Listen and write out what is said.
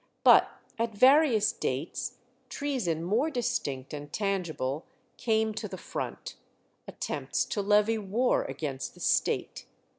But at various dates treason more distinct and tangible came to the front: attempts to levy war against the State.